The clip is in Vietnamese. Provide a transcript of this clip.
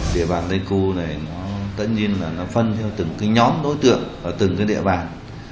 địa bàn pleiku này tất nhiên là phân theo từng nhóm đối tượng ở từng địa bàn